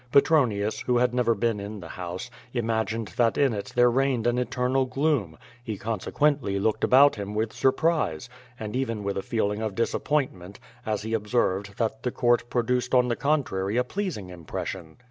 Petronius, who had never been in the house, imagined that in it there reigned an eternal gloom; he consequently looked about him with surprise, and even with a feeling of disappointment, as he observed that the court produced on the contrary a pleasing impression.